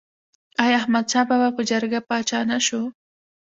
آیا احمد شاه بابا په جرګه پاچا نه شو؟